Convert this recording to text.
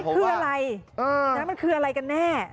คืออะไรมันคืออะไรกันแน่